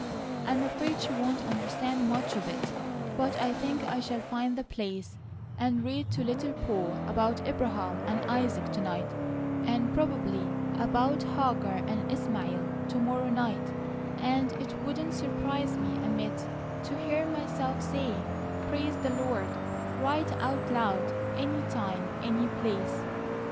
I'm afraid she won't understand much of it, but I think I shall find the place and read to Little Poll about Abraham and Isaac to night, and probably about Hagar and Ishmael to morrow night, and it wouldn't surprise me a mite to hear myself saying 'Praise the Lord,' right out loud, any time, any place.